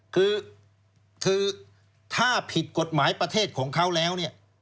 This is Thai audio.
คือถ้าผิดกฎหมายประเทศของเขาแล้ว